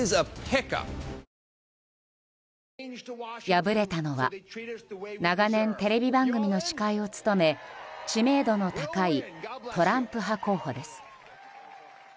敗れたのは長年テレビ番組の司会を務め知名度の高いトランプ派候補です。